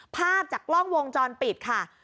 ภาพจากกล้องวงจรปิดค่ะ